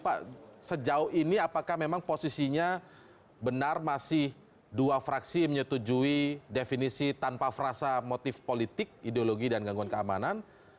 pak sejauh ini apakah memang posisinya benar masih dua fraksi menyetujui definisi tanpa frasa motif politik ideologi dan gangguan keamanan